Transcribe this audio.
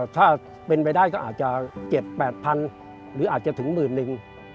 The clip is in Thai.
ถ้าเป็นไปได้ก็อาจจะ๗๘๐๐๐หรืออาจจะถึงหมื่นหนึ่ง